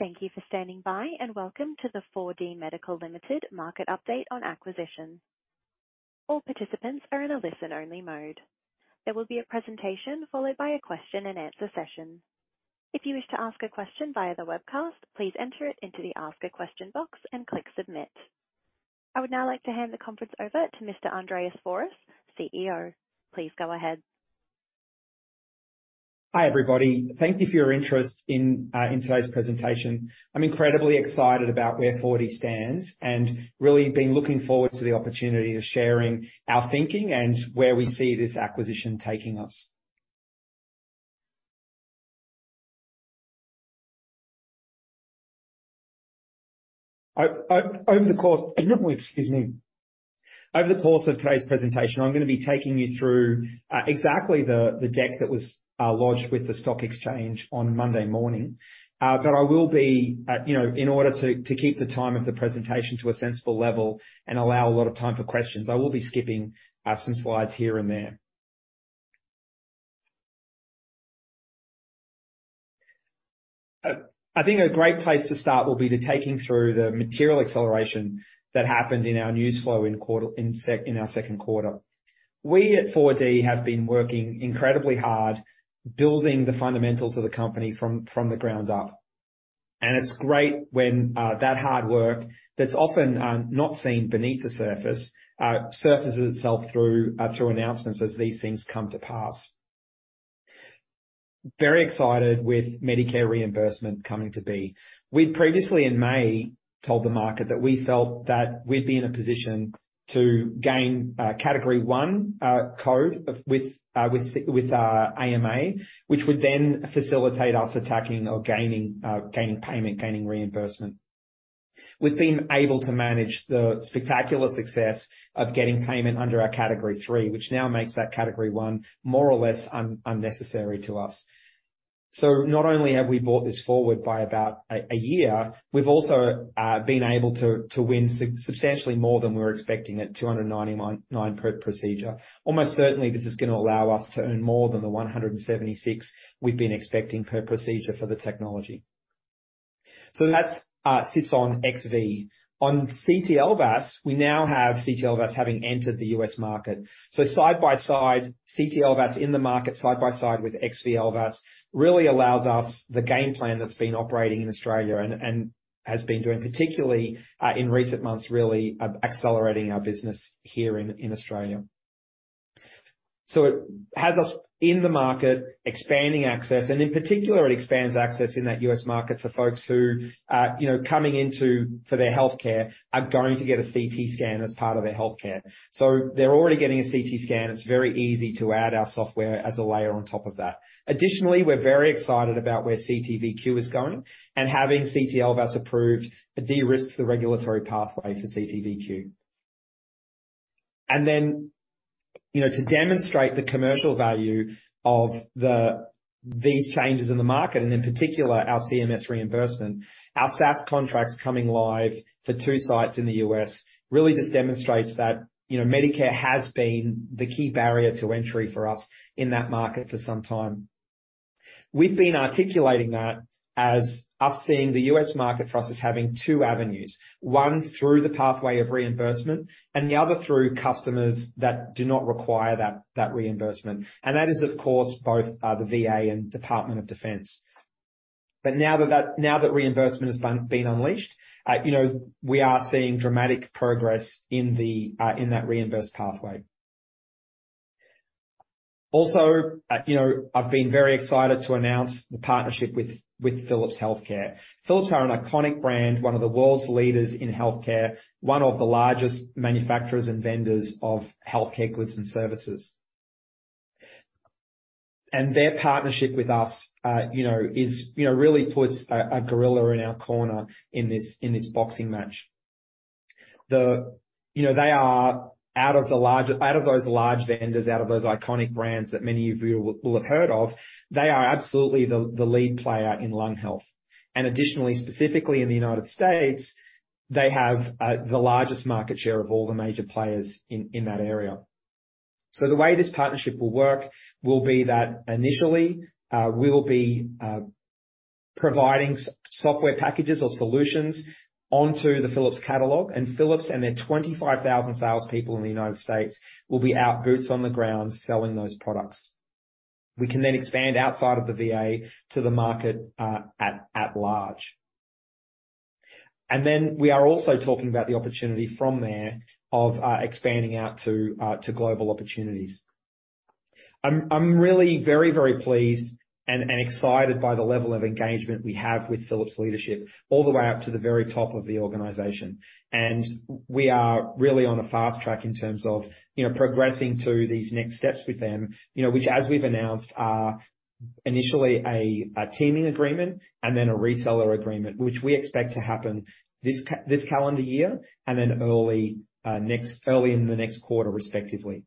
Thank you for standing by, and welcome to the 4DMedical Limited market update on acquisition. All participants are in a listen-only mode. There will be a presentation followed by a question and answer session. If you wish to ask a question via the webcast, please enter it into the ask a question box and click Submit. I would now like to hand the conference over to Mr. Andreas Fouras, CEO. Please go ahead. Hi, everybody. Thank you for your interest in today's presentation. I'm incredibly excited about where 4D stands, and really been looking forward to the opportunity of sharing our thinking and where we see this acquisition taking us. Over the course of today's presentation, I'm gonna be taking you through exactly the deck that was lodged with the stock exchange on Monday morning. But I will be, you know, in order to keep the time of the presentation to a sensible level and allow a lot of time for questions, I will be skipping some slides here and there. I think a great place to start will be the taking through the material acceleration that happened in our news flow in our second quarter. We at 4D have been working incredibly hard, building the fundamentals of the company from the ground up, and it's great when that hard work that's often not seen beneath the surface surfaces itself through announcements as these things come to pass. Very excited with Medicare reimbursement coming to be. We'd previously in May told the market that we felt that we'd be in a position to gain category one code with AMA, which would then facilitate us attacking or gaining payment, gaining reimbursement. We've been able to manage the spectacular success of getting payment under our category three, which now makes that category one more or less unnecessary to us. So not only have we brought this forward by about a year, we've also been able to win substantially more than we were expecting at $299 per procedure. Almost certainly, this is gonna allow us to earn more than the $176 we've been expecting per procedure for the technology. So that sits on XV. On CT LVAS, we now have CT LVAS having entered the U.S. market. So side by side, CT LVAS in the market, side by side with XV LVAS, really allows us the game plan that's been operating in Australia and has been doing, particularly in recent months, really accelerating our business here in Australia. So it has us in the market, expanding access, and in particular, it expands access in that U.S. market for folks who, you know, coming into for their healthcare, are going to get a CT scan as part of their Healthcare. So they're already getting a CT scan. It's very easy to add our software as a layer on top of that. Additionally, we're very excited about where CT:VQ is going, and having CT LVAS approved, it de-risks the regulatory pathway for CT:VQ. And then, you know, to demonstrate the commercial value of these changes in the market, and in particular, our CMS reimbursement, our SaaS contracts coming live for two sites in the U.S., really just demonstrates that, you know, Medicare has been the key barrier to entry for us in that market for some time. We've been articulating that as us seeing the U.S. market for us as having two avenues, one through the pathway of reimbursement and the other through customers that do not require that, that reimbursement. And that is, of course, both the VA and Department of Defense. But now that reimbursement has been unleashed, you know, we are seeing dramatic progress in the in that reimbursed pathway. Also, you know, I've been very excited to announce the partnership with Philips Healthcare. Philips are an iconic brand, one of the World's Leaders in Healthcare, one of the largest Manufacturers and "238760 4DMedical M&A Announcement.mp3" You know, they are out of those large vendors, out of those iconic brands that many of you will have heard of, they are absolutely the lead player in lung health. And additionally, specifically in the United States, they have the largest market share of all the major players in that area. So the way this partnership will work will be that initially, we will be providing software packages or solutions onto the Philips catalog, and Philips and their 25,000 Salespeople in the United States will be out, boots on the ground, selling those products. We can then expand outside of the VA to the market at large. And then we are also talking about the opportunity from there of expanding out to global opportunities. I'm really very, very pleased and excited by the level of engagement we have with Philips leadership all the way up to the very top of the organization. We are really on a fast track in terms of, you know, progressing to these next steps with them, you know, which, as we've announced, are initially a teaming agreement and then a reseller agreement, which we expect to happen this calendar year and then early in the next quarter, respectively.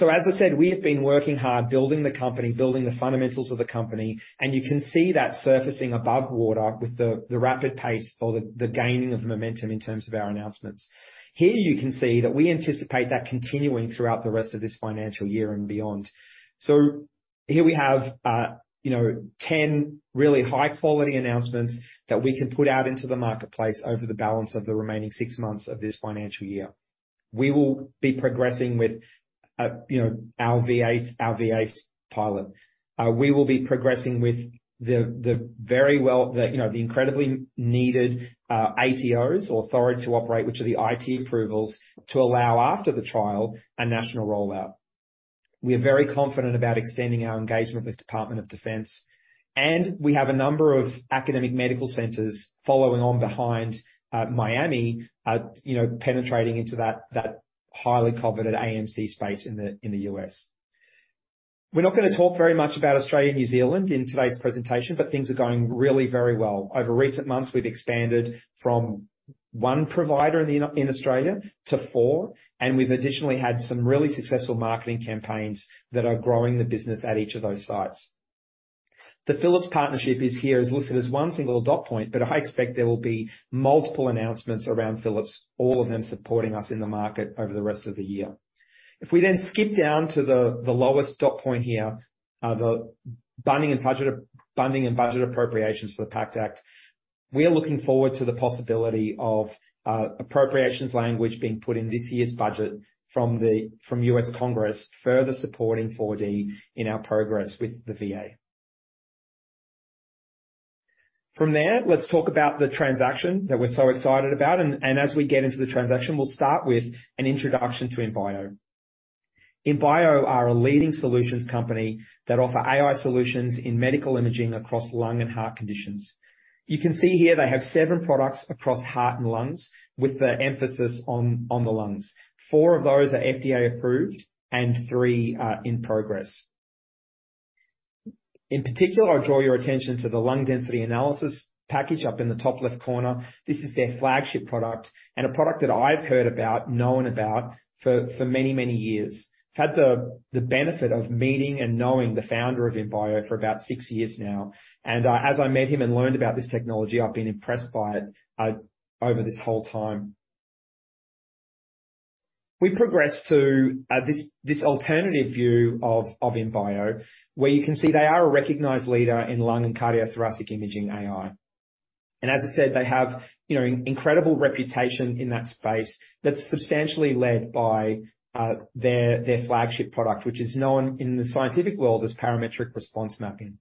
So as I said, we have been working hard, building the company, building the fundamentals of the company, and you can see that surfacing above water with the rapid pace or the gaining of momentum in terms of our announcements. Here you can see that we anticipate that continuing throughout the rest of this financial year and beyond. So. Here we have, you know, 10 really high-quality announcements that we can put out into the marketplace over the balance of the remaining 6 months of this financial year. We will be progressing with, you know, our VA, our VA pilot. We will be progressing with the incredibly needed ATOs or Authority To Operate, which are the IT approvals, to allow, after the trial, a national rollout. We are very confident about extending our engagement with Department of Defense, and we have a number of academic medical centers following on behind, Miami, you know, penetrating into that highly coveted AMC space in the U.S. We're not gonna talk very much about Australia and New Zealand in today's presentation, but things are going really very well. Over recent months, we've expanded from one provider in Australia to four, and we've additionally had some really successful marketing campaigns that are growing the business at each of those sites. The Philips partnership is here, is listed as one single dot point, but I expect there will be multiple announcements around Philips, all of them supporting us in the market over the rest of the year. If we then skip down to the lowest dot point here, the funding and budget appropriations for the PACT Act, we are looking forward to the possibility of appropriations language being put in this year's budget from the U.S. Congress, further supporting 4D in our progress with the VA. From there, let's talk about the transaction that we're so excited about, and, and as we get into the transaction, we'll start with an introduction to Imbio. Imbio are a leading solutions company that offer AI solutions in medical imaging across lung and heart conditions. You can see here they have seven products across heart and lungs, with the emphasis on, on the lungs. Four of those are FDA approved and three are in progress. In particular, I draw your attention to the Lung Density Analysis package up in the top left corner. This is their flagship product and a product that I've heard about, known about for, for many, many years. Had the, the benefit of meeting and knowing the founder of Imbio for about six years now, and, as I met him and learned about this technology, I've been impressed by it over this whole time. We progress to this alternative view of Imbio, where you can see they are a recognized leader in lung and cardiothoracic imaging AI. And as I said, they have, you know, incredible reputation in that space that's substantially led by their flagship product, which is known in the scientific world as Parametric Response Mapping.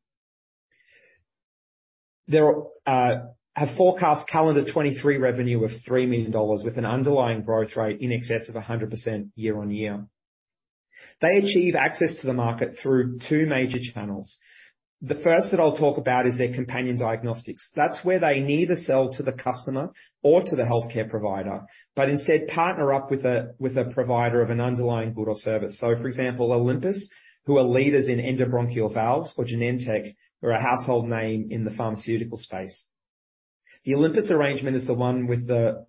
They have forecast calendar 2023 revenue of $3 million with an underlying growth rate in excess of 100% year-on-year. They achieve access to the market through two major channels. The first that I'll talk about is their Companion Diagnostics. That's where they neither sell to the customer or to the healthcare provider, but instead partner up with a provider of an underlying good or service. So for example, Olympus, who are leaders in endobronchial valves, or Genentech, who are a household name in the pharmaceutical space. The Olympus arrangement is the one with the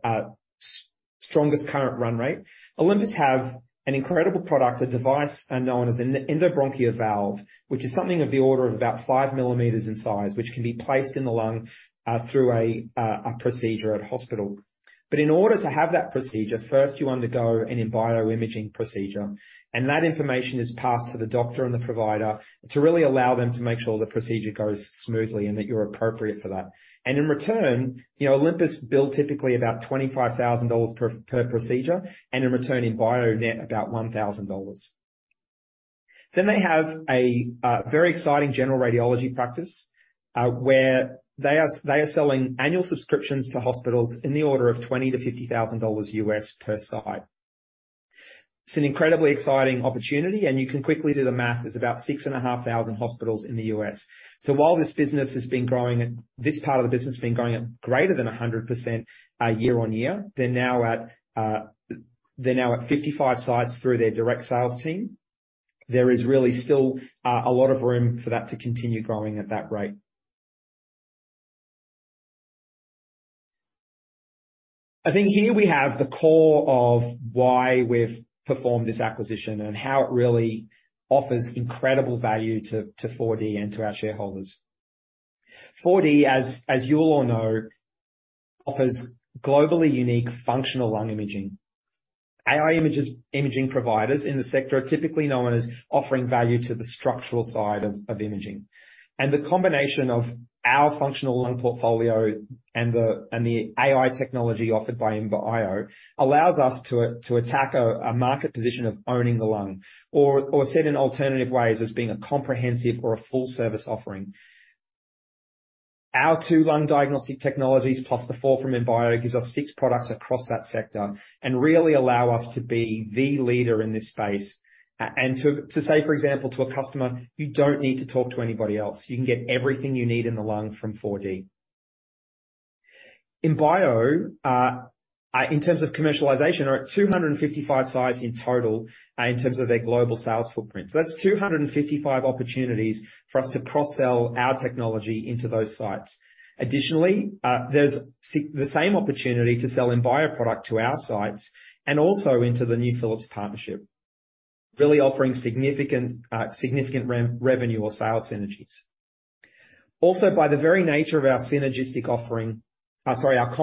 strongest current run rate. Olympus have an incredible product, a device known as an endobronchial valve, which is something of the order of about 5 millimeters in size, which can be placed in the lung through a procedure at hospital. But in order to have that procedure, first, you undergo an Imbio imaging procedure, and that information is passed to the doctor and the provider to really allow them to make sure the procedure goes smoothly and that you're appropriate for that. And in return, you know, Olympus bill typically about $25,000 per procedure, and in return, Imbio net about $1,000. Then they have a very exciting general radiology practice, where they are selling annual subscriptions to hospitals in the order of $20,000-$50,000 per site. It's an incredibly exciting opportunity, and you can quickly do the math. There's about 6,500 hospitals in the U.S.. So while this business has been growing at this part of the business has been growing at greater than 100% year-on-year, they're now at 55 sites through their direct sales team. There is really still a lot of room for that to continue growing at that rate. I think here we have the core of why we've performed this acquisition, and how it really offers incredible value to 4D and to our Shareholders. 4D, as you all know, offers globally unique functional lung imaging. AI imaging providers in the sector are typically known as offering value to the structural side of imaging. And the combination of our functional lung portfolio and the AI technology offered by Imbio allows us to attack a market position of owning the lung, or said in alternative ways, as being a comprehensive or a full-service offering. Our two lung diagnostic technologies, plus the four from Imbio, gives us six products across that sector and really allow us to be the leader in this space. And to say, for example, to a customer: "You don't need to talk to anybody else. You can get everything you need in the lung from 4D." Imbio, in terms of commercialization, are at 255 sites in total, in terms of their global sales footprint. So that's 255 opportunities for us to cross-sell our technology into those sites. Additionally, there's the same opportunity to sell Imbio product to our sites and also into the new Philips Partnership, really offering significant, significant revenue or sales synergies. Also, by the very nature of our synergistic offering, sorry, our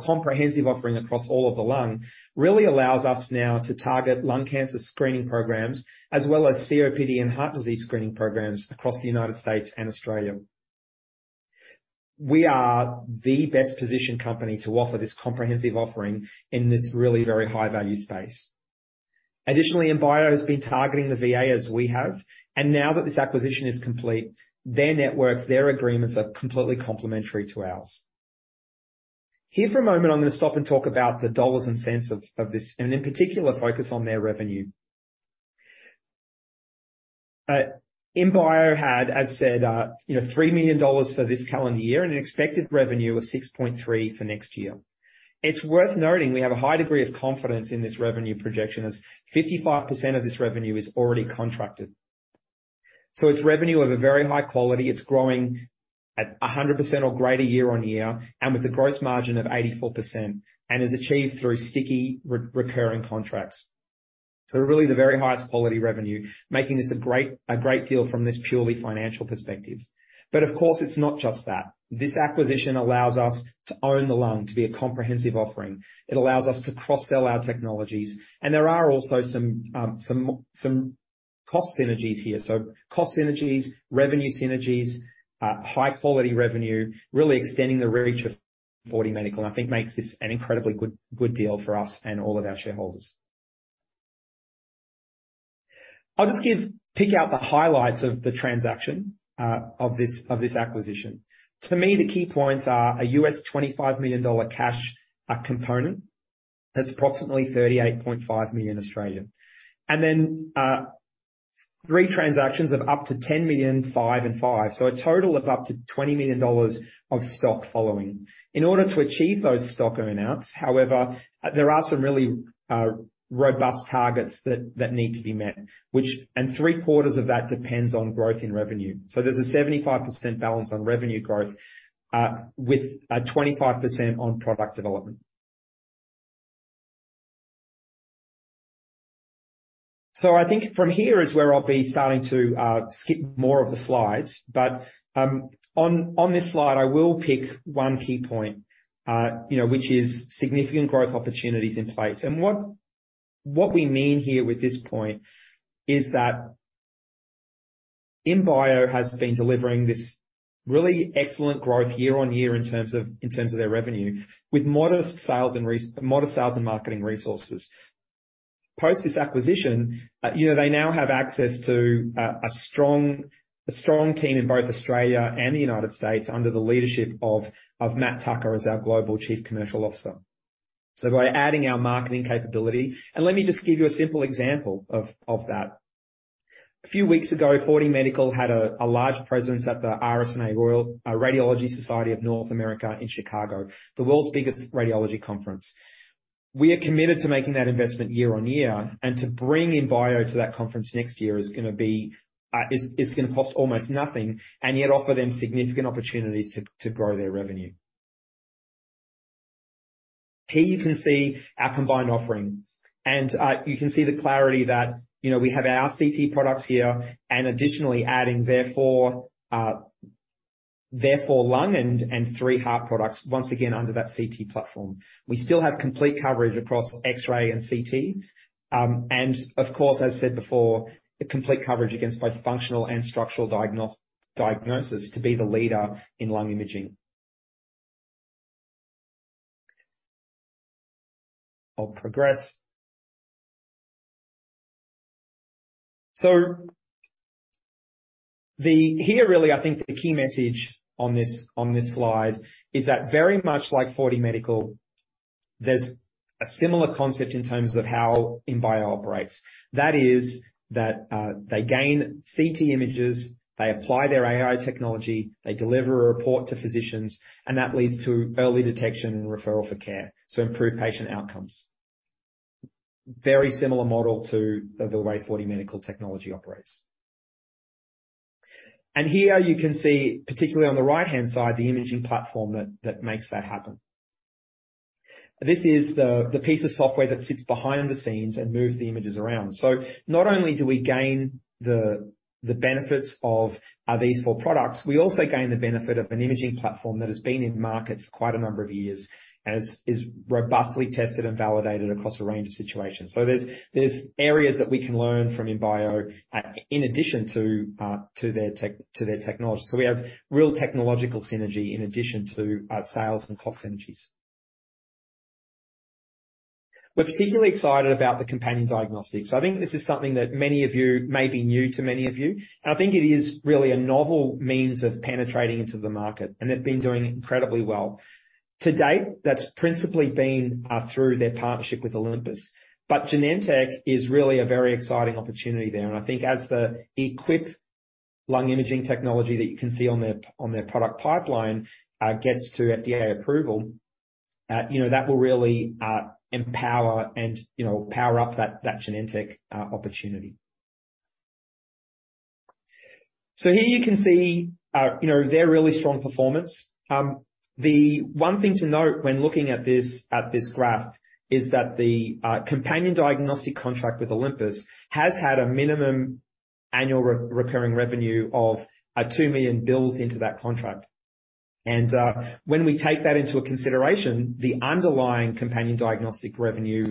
comprehensive offering across all of the lung, really allows us now to target lung cancer screening programs, as well as COPD and heart disease screening programs across the United States and Australia. We are the best-positioned company to offer this comprehensive offering in this really very high-value space. Additionally, Imbio has been targeting the VA as we have, and now that this acquisition is complete, their networks, their agreements are completely complementary to ours. Here for a moment, I'm gonna stop and talk about the dollars and cents of this, and in particular, focus on their revenue. Imbio had, as said, you know, $3 million for this calendar year and an expected revenue of $6.3 million for next year. It's worth noting, we have a high degree of confidence in this revenue projection, as 55% of this revenue is already contracted. So it's revenue of a very high quality. It's growing at 100% or greater year-on-year, and with a gross margin of 84%, and is achieved through sticky re-recurring contracts. So really, the very highest quality revenue, making this a great, a great deal from this purely financial perspective. But of course, it's not just that. This acquisition allows us to own the lung, to be a comprehensive offering. It allows us to cross-sell our technologies, and there are also some cost synergies here. So cost synergies, revenue synergies, high-quality revenue, really extending the reach of 4DMedical, and I think makes this an incredibly good, good deal for us and all of our Shareholders. I'll just pick out the highlights of the transaction, of this acquisition. To me, the key points are a $25 million cash component, that's approximately 38.5 million. Then, three transactions of up to $10 million, $5 million and $5 million, so a total of up to $20 million of stock following. In order to achieve those stock earn-outs, however, there are some really robust targets that need to be met, which and three-quarters of that depends on growth in revenue. So there's a 75% balance on revenue growth, with 25% on product development. So I think from here is where I'll be starting to skip more of the slides, but on this slide, I will pick one key point, you know, which is significant growth opportunities in place. What we mean here with this point is that Imbio has been delivering this really excellent growth year on year in terms of their revenue, with modest sales and marketing resources. Post this acquisition, you know, they now have access to a strong team in both Australia and the United States under the Leadership of Matt Tucker as our Global Chief Commercial Officer. So by adding our marketing capability. And let me just give you a simple example of that. A few weeks ago, 4DMedical had a large presence at the RSNA, the Radiological Society of North America in Chicago, the world's biggest radiology conference. We are committed to making that investment year on year, and to bring Imbio to that conference next year is gonna be is gonna cost almost nothing, and yet offer them significant opportunities to grow their revenue. Here you can see our combined offering, and you can see the clarity that, you know, we have our CT Products here, and additionally adding therefore lung and three Heart products, once again, under that CT Platform. We still have complete coverage across X-ray and CT, and of course, as said before, a complete coverage against both functional and structural diagnosis to be the leader in lung imaging. I'll progress. So here, really, I think the key message on this slide is that very much like 4DMedical, there's a similar concept in terms of how Imbio Operates. That is, that they gain CT images, they apply their AI technology, they deliver a report to physicians, and that leads to early detection and referral for care to improve patient outcomes. Very similar model to the way 4DMedical Technology operates. And here you can see, particularly on the right-hand side, the imaging platform that makes that happen. This is the piece of software that sits behind the scenes and moves the images around. So not only do we gain the benefits of these four products, we also gain the benefit of an imaging platform that has been in market for quite a number of years, and is robustly tested and validated across a range of situations. So there's areas that we can learn from Imbio, in addition to their technology. So we have real technological synergy in addition to, sales and cost synergies. We're particularly excited about the companion diagnostics. I think this is something that may be new to many of you, and I think it is really a novel means of penetrating into the market, and they've been doing incredibly well. To date, that's principally been through their partnership with Olympus. But Genentech is really a very exciting opportunity there, and I think as the equip Lung Imaging Technology that you can see on their product pipeline gets to FDA approval, you know, that will really empower and, you know, power up that Genentech opportunity. So here you can see, you know, their really strong performance. The one thing to note when looking at this graph is that the companion diagnostic contract with Olympus has had a minimum annual recurring revenue of 2 million built into that contract. When we take that into consideration, the underlying companion diagnostic revenue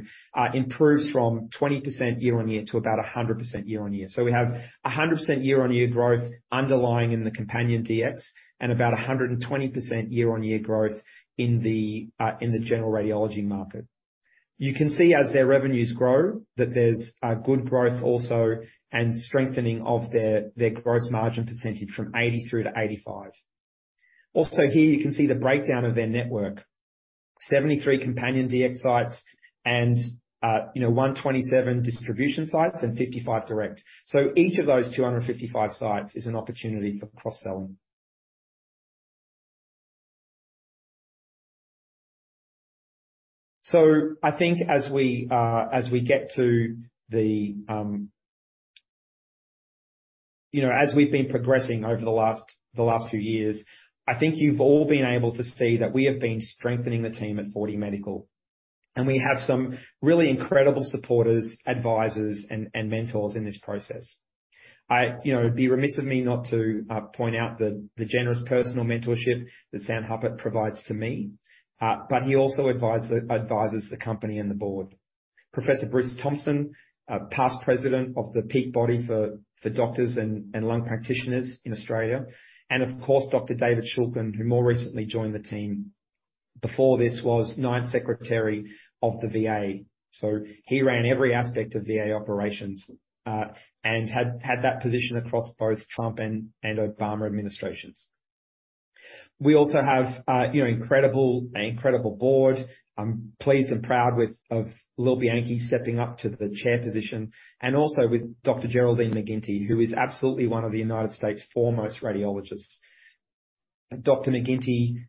improves from 20% year-on-year to about 100% year-on-year. So we have 100% year-on-year growth underlying in the companion DX and about 120% year-on-year growth in the general radiology market. You can see as their revenues grow, that there's good growth also, and strengthening of their gross margin percentage from 80%-85%. Also here, you can see the breakdown of their network. 73 companion DX sites and, you know, 127 distribution sites and 55 direct. So each of those 255 sites is an opportunity for cross-selling. So I think as we get to the... You know, as we've been progressing over the last few years, I think you've all been able to see that we have been strengthening the team at 4DMedical, and we have some really incredible supporters, advisors, and mentors in this process. You know, it'd be remiss of me not to point out the generous personal mentorship that Sam Hupert provides to me. But he also advises the company and the board. Professor Bruce Thompson, a past president of the peak body for doctors and lung practitioners in Australia, and of course, Dr. David Shulkin, who more recently joined the team. Before this, was ninth Secretary of the VA, so he ran every aspect of VA operations, and had that position across both Trump and Obama administrations. We also have, you know, an incredible board. I'm pleased and proud with of Lil Bianchi stepping up to the Chair position, and also with Dr. Geraldine McGinty, who is absolutely one of the United States' foremost radiologists. Dr. McGinty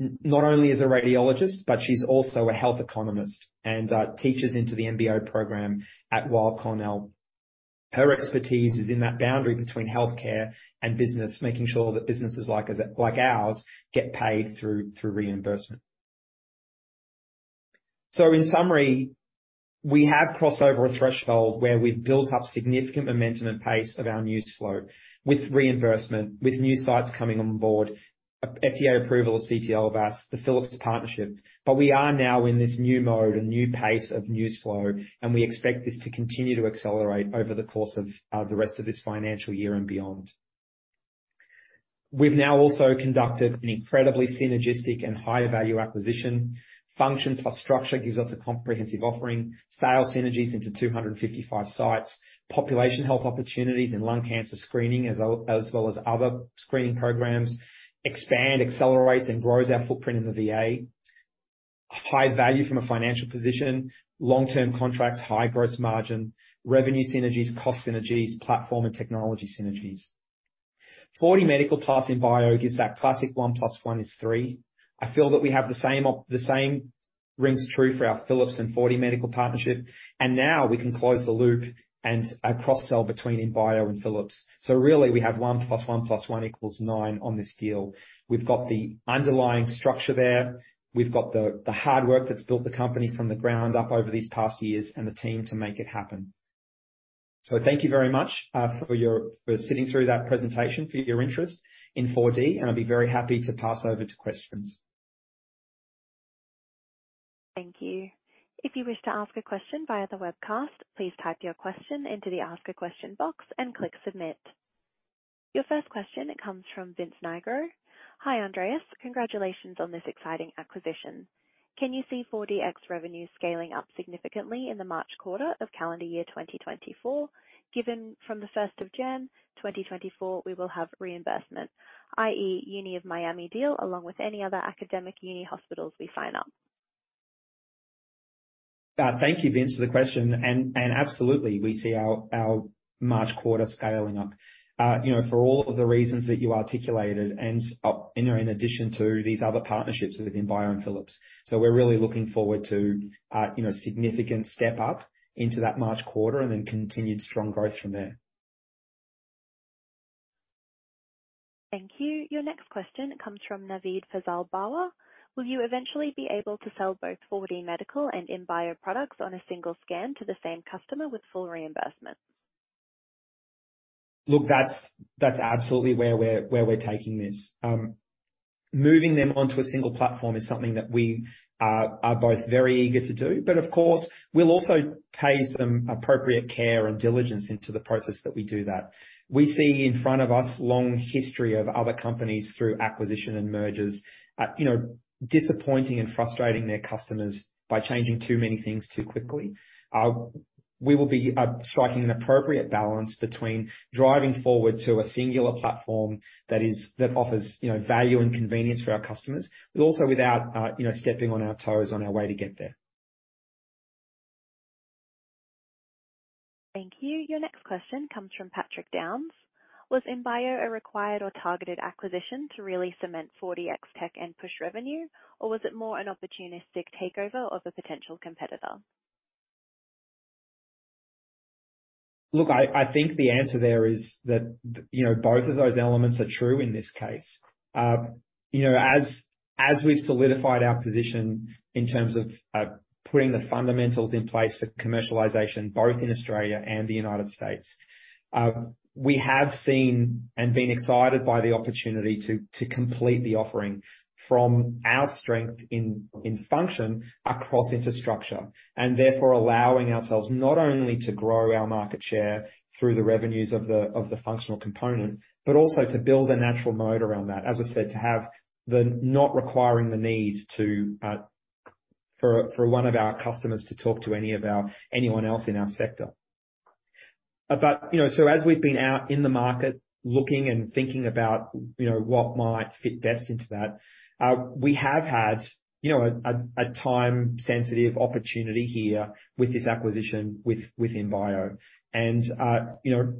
not only is a Radiologist, but she's also a Health Economist and teaches into the MBA program at Weill Cornell. Her expertise is in that boundary between healthcare and business, making sure that businesses like us, like ours, get paid through reimbursement. So in summary, we have crossed over a threshold where we've built up significant momentum and pace of our news flow with reimbursement, with new sites coming on board, FDA approval of CT:VQ for us, the Philips partnership. But we are now in this new mode, a new pace of news flow, and we expect this to continue to accelerate over the course of the rest of this financial year and beyond. We've now also conducted an incredibly synergistic and higher value acquisition. Function plus structure gives us a comprehensive offering, sales synergies into 255 sites, population health opportunities in lung cancer screening, as well, as well as other screening programs. Expand, accelerates, and grows our footprint in the VA. High value from a financial position, long-term contracts, high gross margin, revenue synergies, cost synergies, platform and technology synergies. 4DMedical plus Imbio gives that classic one plus one is three. I feel that we have the same, the same rings true for our Philips and 4DMedical partnership, and now we can close the loop and a cross-sell between Imbio and Philips. So really, we have one plus one, plus one equals nine on this deal. We've got the underlying structure there. We've got the hard work that's built the company from the ground up over these past years and the team to make it happen. So thank you very much for your sitting through that presentation, for your interest in 4DMedical, and I'll be very happy to pass over to questions. Thank you. If you wish to ask a question via the webcast, please type your question into the Ask a Question box and click submit. Your first question comes from Vince Nigro. Hi, Andreas. Congratulations on this exciting acquisition. Can you see 4DX revenue scaling up significantly in the March quarter of calendar year 2024? Given from the first of January 2024, we will have reimbursement, i.e., Uni of Miami deal, along with any other academic uni hospitals we sign up. Thank you, Vince, for the question. And absolutely, we see our March quarter scaling up. You know, for all of the reasons that you articulated and, you know, in addition to these other partnerships with Imbio and Philips. So we're really looking forward to, you know, significant step up into that March quarter and then continued strong growth from there. Thank you. Your next question comes from Naveed Fazal Bawa. Will you eventually be able to sell both 4DMedical and Imbio products on a single scan to the same customer with full reimbursement? Look, that's absolutely where we're taking this. Moving them onto a single platform is something that we are both very eager to do. But of course, we'll also pay some appropriate care and diligence into the process that we do that. We see in front of us, long history of other companies through acquisition and mergers, you know, disappointing and frustrating their customers by changing too many things too quickly. We will be striking an appropriate balance between driving forward to a singular platform that offers, you know, value and convenience for our customers, but also without, you know, stepping on our toes on our way to get there. Thank you. Your next question comes from Patrick Downs. Was Imbio a required or targeted acquisition to really cement 4DX tech and push revenue, or was it more an opportunistic takeover of a potential competitor?... Look, I think the answer there is that, you know, both of those elements are true in this case. You know, as we've solidified our position in terms of putting the fundamentals in place for commercialization, both in Australia and the United States, we have seen and been excited by the opportunity to complete the offering from our strength in function across into structure, and therefore allowing ourselves not only to grow our market share through the revenues of the functional component, but also to build a natural moat around that. As I said, to have the-- not requiring the need to for one of our customers to talk to any of our anyone else in our sector. But, you know, so as we've been out in the market, looking and thinking about, you know, what might fit best into that, we have had, you know, a, a time-sensitive opportunity here with this acquisition, with Imbio. And, you know,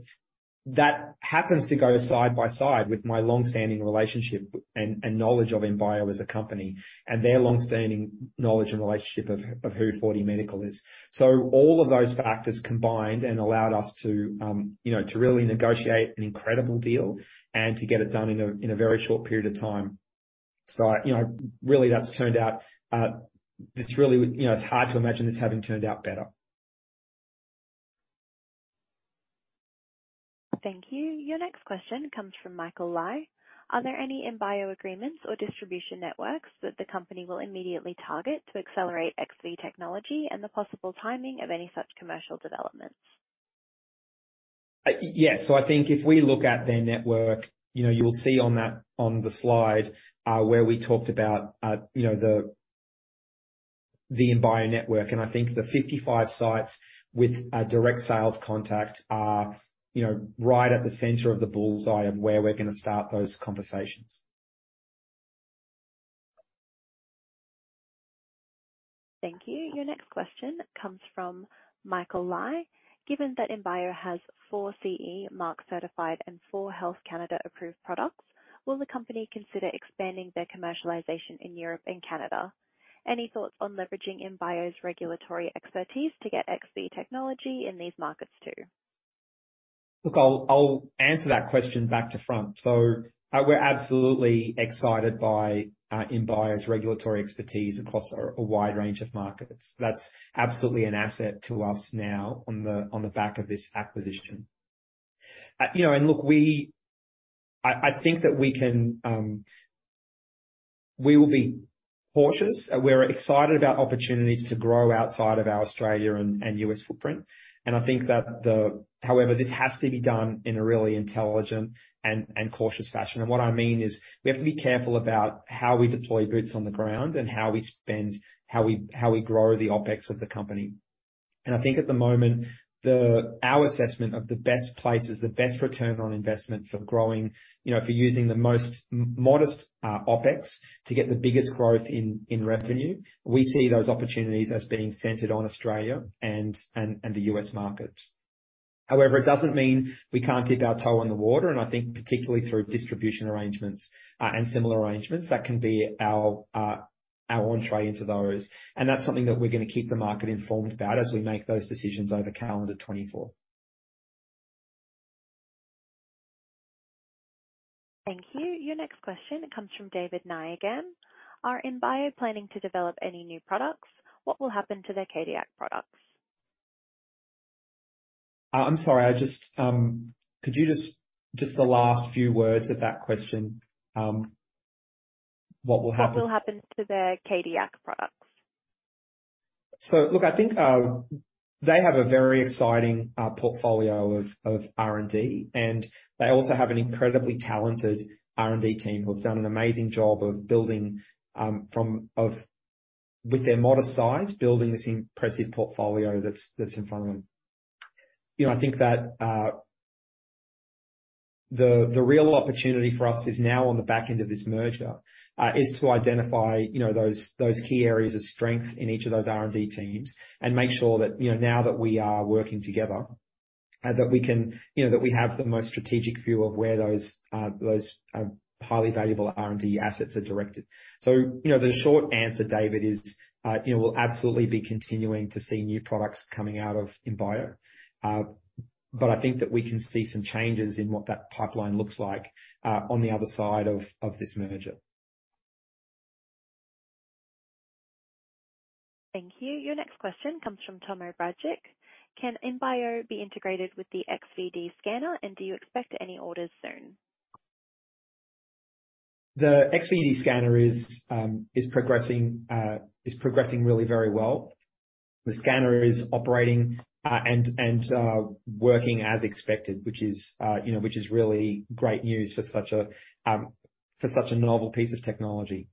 that happens to go side by side with my long-standing relationship and knowledge of Imbio as a company, and their long-standing knowledge and relationship of who 4DMedical is. So all of those factors combined and allowed us to, you know, to really negotiate an incredible deal and to get it done in a very short period of time. So, you know, really, that's turned out, this really, you know, it's hard to imagine this having turned out better. Thank you. Your next question comes from Michael Lai: Are there any Imbio agreements or distribution networks that the company will immediately target to accelerate XV technology and the possible timing of any such commercial developments? Yes. So I think if we look at their network, you know, you'll see on that, on the slide, where we talked about, you know, the, the Imbio network, and I think the 55 sites with a direct sales contact are, you know, right at the center of the bull's eye of where we're gonna start those conversations. Thank you. Your next question comes from Michael Lai: Given that Imbio has four CE Mark certified and four Health Canada-approved products, will the company consider expanding their commercialization in Europe and Canada? Any thoughts on leveraging Imbio's regulatory expertise to get XV Technology in these markets, too? Look, I'll answer that question back to front. So we're absolutely excited by Imbio's regulatory expertise across a wide range of markets. That's absolutely an asset to us now on the back of this acquisition. You know, and look, I think that we can, we will be cautious. We're excited about opportunities to grow outside of our Australia and U footprint. And I think that, however, this has to be done in a really intelligent and cautious fashion. And what I mean is, we have to be careful about how we deploy boots on the ground and how we spend, how we grow the OpEx of the company. I think at the moment, our assessment of the best places, the best return on investment for growing, you know, for using the most modest OpEx to get the biggest growth in revenue, we see those opportunities as being centered on Australia and the U.S. market. However, it doesn't mean we can't dip our toe in the water, and I think particularly through distribution arrangements and similar arrangements, that can be our entrée into those. That's something that we're gonna keep the market informed about as we make those decisions over calendar 2024. Thank you. Your next question comes from David Nye again: Are Imbio planning to develop any new products? What will happen to their Cardiac products? I'm sorry, I just could you just, just the last few words of that question, what will happen? What will happen to their cardiac products? So look, I think, they have a very exciting portfolio of R&D, and they also have an incredibly talented R&D Team who have done an amazing job of building, with their modest size, building this impressive portfolio that's in front of them. You know, I think that, the real opportunity for us is now on the back end of this merger, is to identify, you know, those key areas of strength in each of those R&D teams and make sure that, you know, now that we are working together, that we can, you know, that we have the most strategic view of where those highly valuable R&D assets are directed. So, you know, the short answer, David, is, you know, we'll absolutely be continuing to see new products coming out of Imbio. But I think that we can see some changes in what that pipeline looks like, on the other side of this merger. Thank you. Your next question comes from Tom O'Bradjick: Can Imbio be integrated with the XV Scanner, and do you expect any orders soon? The XV scanner is progressing really very well. The scanner is operating, and, and, working as expected, which is, you know, which is really great news for such a, for such a novel piece of technology.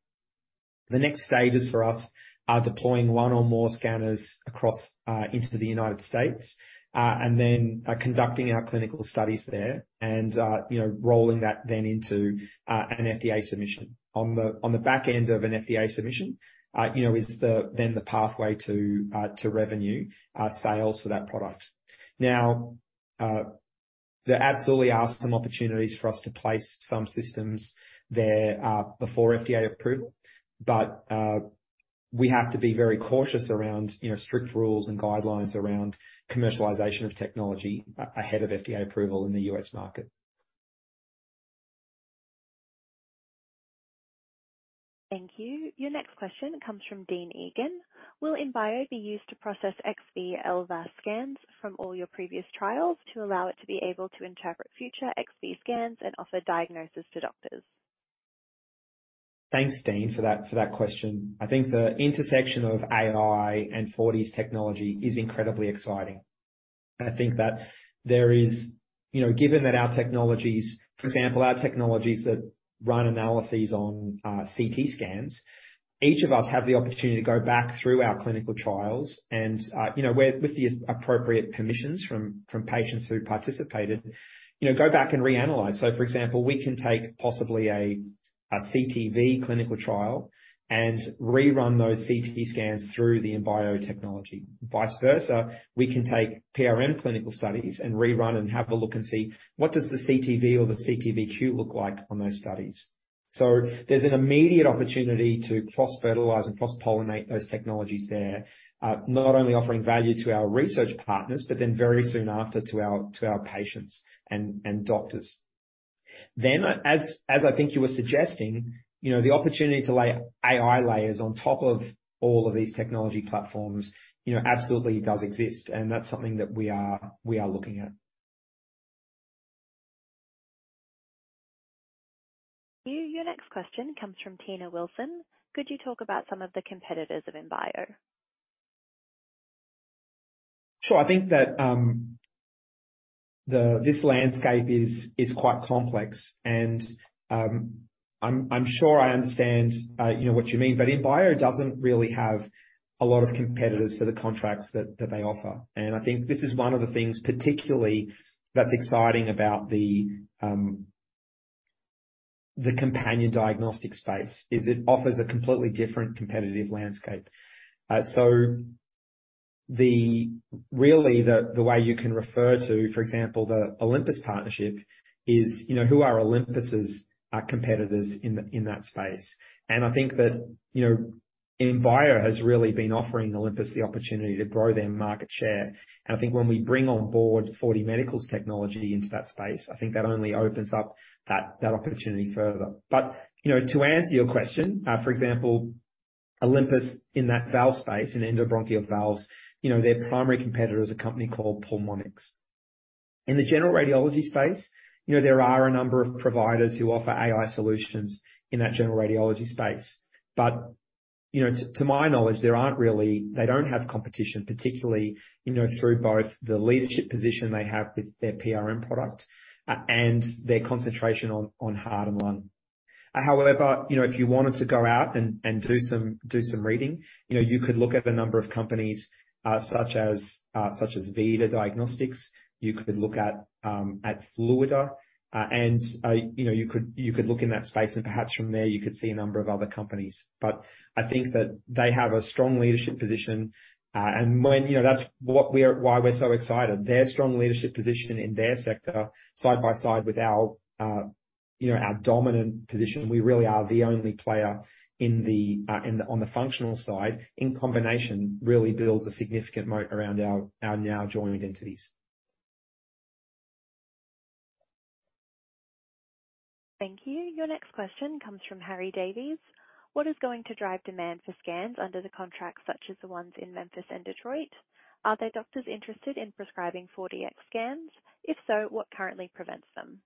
The next stages for us are deploying one or more scanners across, into the United States, and then, conducting our clinical studies there and, you know, rolling that then into, an FDA submission. On the, on the back end of an FDA submission, you know, is the, then the pathway to, to revenue, sales for that product. Now, there absolutely are some opportunities for us to place some systems there, before FDA approval. But, we have to be very cautious around, you know, strict rules and guidelines around commercialization of technology ahead of FDA approval in the U.S. market. Thank you. Your next question comes from Dean Egan. Will Imbio be used to process XV LVAS scans from all your previous trials to allow it to be able to interpret future XV scans and offer diagnosis to doctors? Thanks, Dean, for that question. I think the intersection of AI and 4D's technology is incredibly exciting. I think that there is, you know, given that our technologies, for example, our technologies that run analyses on CT scans, each of us have the opportunity to go back through our clinical trials and, you know, with the appropriate permissions from patients who participated, you know, go back and reanalyze. So for example, we can take possibly a CT:VQ clinical trial and rerun those CT:VQ scans through the Imbio technology. Vice versa, we can take PRM clinical studies and rerun and have a look and see what does the CT:VQ or the CT:VQ look like on those studies. So there's an immediate opportunity to cross-fertilize and cross-pollinate those technologies there, not only offering value to our research partners, but then very soon after, to our patients and doctors. Then, as I think you were suggesting, you know, the opportunity to lay AI layers on top of all of these technology platforms, you know, absolutely does exist, and that's something that we are looking at. Your next question comes from Tina Wilson. Could you talk about some of the competitors of Imbio? Sure. I think that this landscape is quite complex, and I'm sure I understand you know what you mean, but Imbio doesn't really have a lot of competitors for the contracts that they offer. And I think this is one of the things particularly that's exciting about the companion diagnostic space, is it offers a completely different competitive landscape. So really the way you can refer to, for example, the Olympus partnership is, you know, who are Olympus's competitors in that space? And I think that you know Imbio has really been offering Olympus the opportunity to grow their market share. And I think when we bring on board 4DMedical's technology into that space, I think that only opens up that opportunity further. But, you know, to answer your question, for example, Olympus in that valve space, in endobronchial valves, you know, their primary competitor is a company called Pulmonx. In the general radiology space, you know, there are a number of providers who offer AI solutions in that general radiology space. But, you know, to my knowledge, there aren't really-- they don't have competition, particularly, you know, through both the leadership position they have with their PRM product, and their concentration on, on heart and lung. However, you know, if you wanted to go out and do some reading, you know, you could look at a number of companies, such as VIDA Diagnostics. You could look at Fluidda, and you know, you could look in that space, and perhaps from there, you could see a number of other companies. But I think that they have a strong leadership position, and when, You know, that's what we are, why we're so excited. Their strong leadership position in their sector, side by side with our, you know, our dominant position. We really are the only player in the, in the, on the functional side, in combination, really builds a significant moat around our, our now joint entities. Thank you. Your next question comes from Harry Davies. What is going to drive demand for scans under the contracts, such as the ones in Memphis and Detroit? Are there doctors interested in prescribing 4DX scans? If so, what currently prevents them?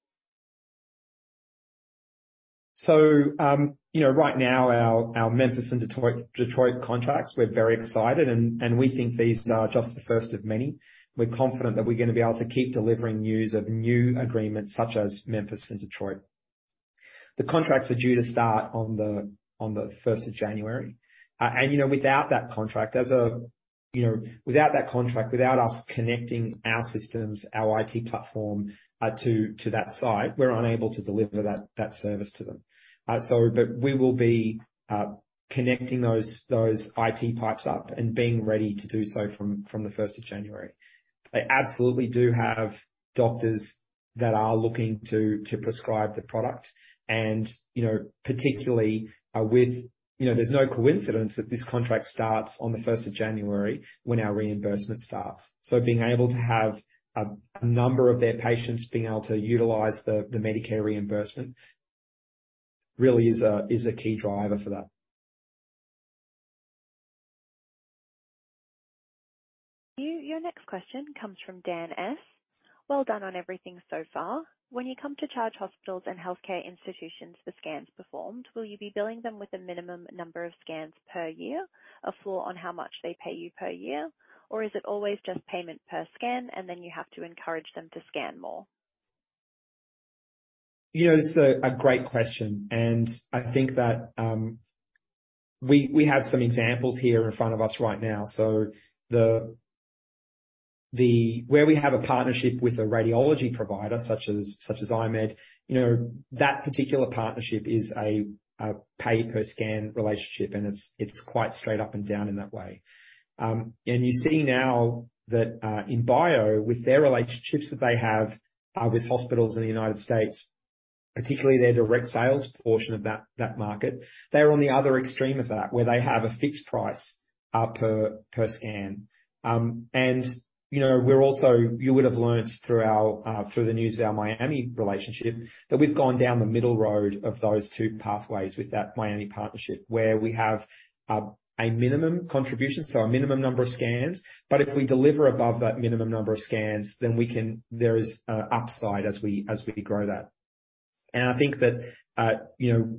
So, you know, right now, our Memphis and Detroit contracts, we're very excited and we think these are just the first of many. We're confident that we're gonna be able to keep delivering news of new agreements such as Memphis and Detroit. The contracts are due to start on the first of January. And you know, without that contract, without us connecting our systems, our IT platform, to that site, we're unable to deliver that service to them. So but we will be connecting those IT pipes up and being ready to do so from the first of January. They absolutely do have doctors that are looking to prescribe the product and, you know, particularly, with. You know, there's no coincidence that this contract starts on the first of January, when our reimbursement starts. So being able to have a number of their patients being able to utilize the Medicare reimbursement really is a key driver for that. Your next question comes from Dan S. Well done on everything so far. When you come to charge hospitals and healthcare institutions for scans performed, will you be billing them with a minimum number of scans per year, a floor on how much they pay you per year, or is it always just payment per scan, and then you have to encourage them to scan more? You know, it's a great question, and I think that we have some examples here in front of us right now. So where we have a partnership with a radiology provider such as I-MED, you know, that particular partnership is a pay per scan relationship, and it's quite straight up and down in that way. And you see now that Imbio, with their relationships that they have with hospitals in the United States particularly their direct sales portion of that market. They're on the other extreme of that, where they have a fixed price per scan. You know, we're also you would have learned through the news of our Miami relationship, that we've gone down the middle road of those two pathways with that Miami partnership, where we have a minimum contribution, so a minimum number of scans. But if we deliver above that minimum number of scans, then we can—there is upside as we grow that. And I think that, you know,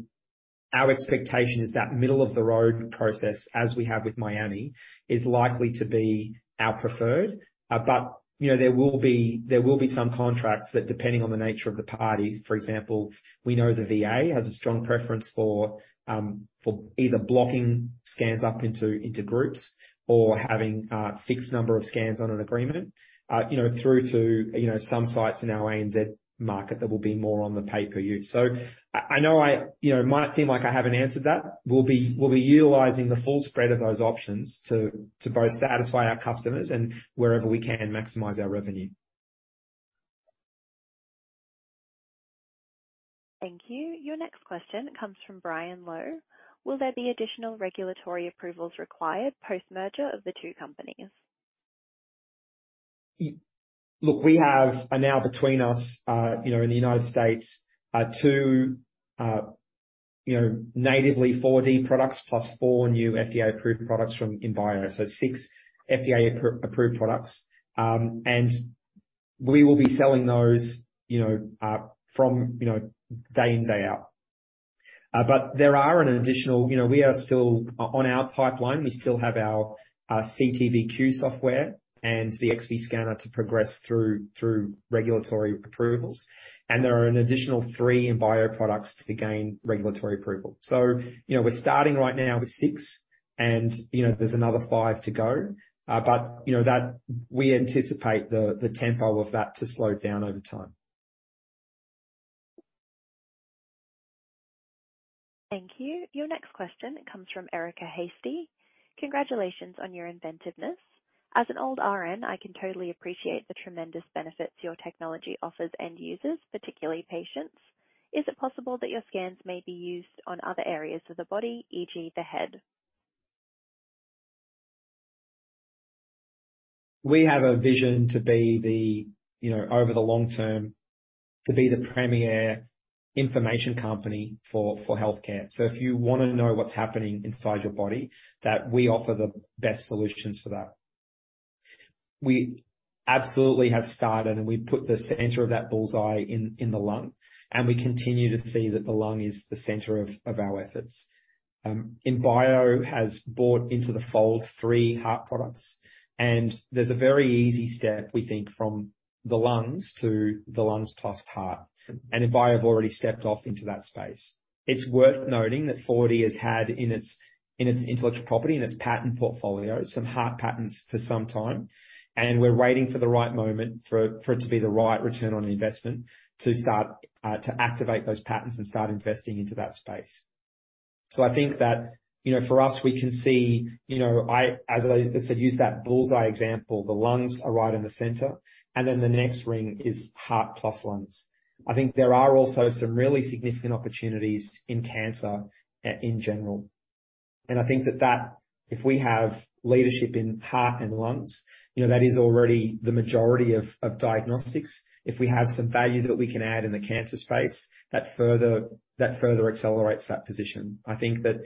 our expectation is that middle of the road process, as we have with Miami, is likely to be our preferred. But, you know, there will be some contracts that, depending on the nature of the party, for example, we know the VA has a strong preference for either blocking scans up into groups or having a fixed number of scans on an agreement, you know, through to some sites in our ANZ Market that will be more on the pay-per-use. So I know I you know, it might seem like I haven't answered that. We'll be utilizing the full spread of those options to both satisfy our customers and wherever we can, maximize our revenue. Thank you. Your next question comes from Brian Lowe. Will there be additional regulatory approvals required post-merger of the two companies? Look, we have, and now between us, you know, in the United States, two, you know, natively 4D products, plus four new FDA-approved products from Imbio. So six FDA-approved products. And we will be selling those, you know, from, you know, day in, day out. But there are an additional... You know, we are still, on our pipeline, we still have our, CT:VQ software and the XV Scanner to progress through, through regulatory approvals, and there are an additional three Imbio products to gain regulatory approval. So, you know, we're starting right now with six, and, you know, there's another five to go. But, you know, that-- we anticipate the, the tempo of that to slow down over time. Thank you. Your next question comes from Erica Hasty: Congratulations on your inventiveness. As an old RN, I can totally appreciate the tremendous benefits your technology offers end users, particularly patients. Is it possible that your scans may be used on other areas of the body, e.g. the head? We have a vision to be the, you know, over the long term, to be the premier information company for, for healthcare. So if you wanna know what's happening inside your body, that we offer the best solutions for that. We absolutely have started, and we've put the center of that bull's-eye in, in the lung, and we continue to see that the lung is the center of, of our efforts. Imbio has brought into the fold three heart products, and there's a very easy step, we think, from the lungs to the lungs plus heart. And Imbio have already stepped off into that space. It's worth noting that 4D has had in its, in its intellectual property, in its patent portfolio, some heart patents for some time, and we're waiting for the right moment for, for it to be the right return on investment, to start to activate those patents and start investing into that space. So I think that, you know, for us, we can see, you know, As. I said, use that bull's-eye example, the lungs are right in the center, and then the next ring is heart plus lungs. I think there are also some really significant opportunities in cancer, in general. And I think that that-- if we have leadership in heart and lungs, you know, that is already the majority of, of diagnostics. If we have some value that we can add in the cancer space, that further, that further accelerates that position. I think that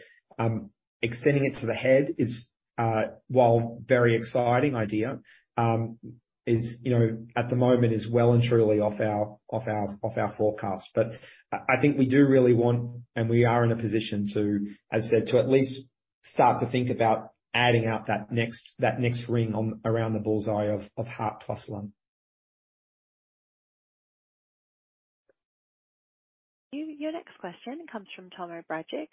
extending it to the head is, while very exciting idea, is, you know, at the moment, well and truly off our forecast. But I think we do really want, and we are in a position to, as I said, to at least start to think about adding out that next ring around the bull's-eye of heart plus lung. Your next question comes from Tom O'Bradick.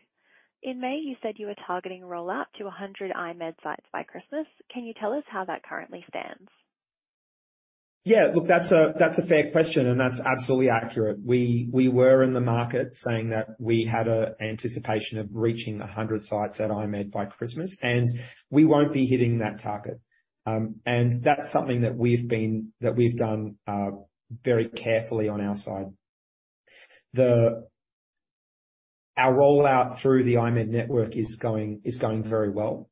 In May, you said you were targeting a rollout to 100 I-MED sites by Christmas. Can you tell us how that currently stands? Yeah, look, that's a fair question, and that's absolutely accurate. We were in the market saying that we had an anticipation of reaching 100 sites at I-MED by Christmas, and we won't be hitting that target. And that's something that we've done very carefully on our side. Our rollout through the I-MED network is going very well.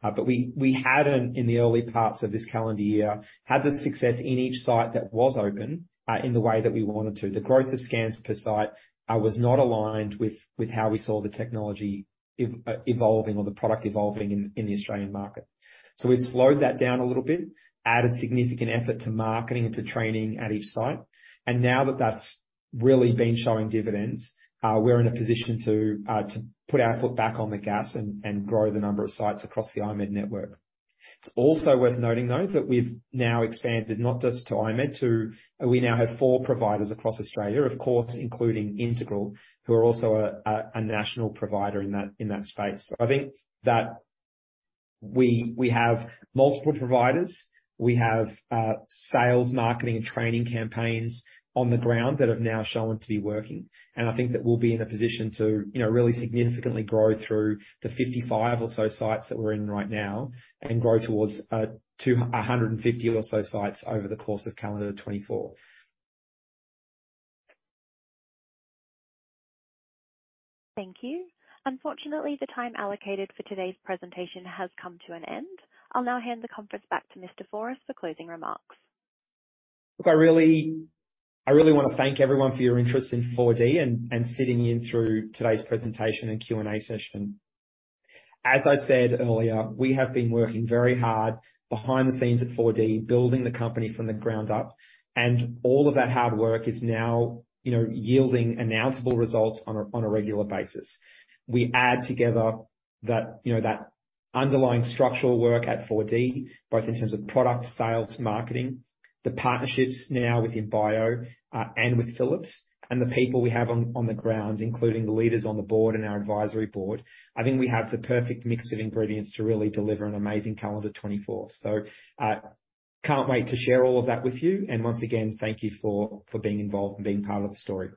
But we hadn't, in the early parts of this calendar year, had the success in each site that was open in the way that we wanted to. The growth of scans per site was not aligned with how we saw the technology evolving or the product evolving in the Australian market. So we've slowed that down a little bit, added significant effort to marketing and to training at each site. Now that that's really been showing dividends, we're in a position to put our foot back on the gas and grow the number of sites across the I-MED network. It's also worth noting, though, that we've now expanded not just to I-MED. We now have four providers across Australia, of course, including Integral, who are also a national provider in that space. I think that we have multiple providers. We have sales, marketing, and training campaigns on the ground that have now shown to be working. And I think that we'll be in a position to, you know, really significantly grow through the 55 or so sites that we're in right now, and grow towards to 150 or so sites over the course of calendar 2024. Thank you. Unfortunately, the time allocated for today's presentation has come to an end. I'll now hand the conference back to Mr. Fouras for closing remarks. Look, I really, I really want to thank everyone for your interest in 4D and, and sitting in through today's presentation and Q&A session. As I said earlier, we have been working very hard behind the scenes at 4D, building the company from the ground up, and all of that hard work is now, you know, yielding announceable results on a, on a regular basis. We add together that, you know, that underlying structural work at 4D, both in terms of product, sales, marketing, the partnerships now with Imbio, and with Philips, and the people we have on, on the ground, including the leaders on the board and our advisory board. I think we have the perfect mix of ingredients to really deliver an amazing calendar 2024. So I can't wait to share all of that with you. Once again, thank you for being involved and being part of the story.